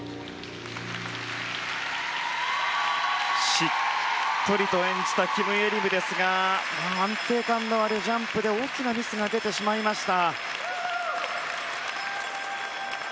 しっとりと演じたキム・イェリムですが安定感のあるジャンプで大きなミスが出てしまいました。